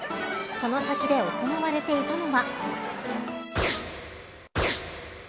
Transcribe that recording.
その先で行われていたのは。